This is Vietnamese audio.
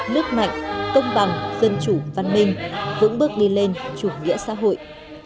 nước mạnh công bằng dân chủ văn minh vững bước đi lên chủ nghĩa xã hội